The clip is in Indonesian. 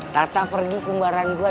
tata pergi kumbaran gue